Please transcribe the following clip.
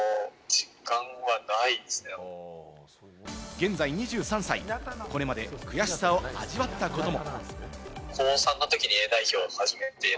現在２３歳、これまで悔しさを味わったことも。